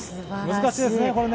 難しいですね、これ。